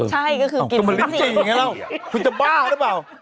ใช่ก็คือกินลิ้นจี่มันลิ้นจี่อย่างนี้แล้วคุณจะบ้าหรือเปล่า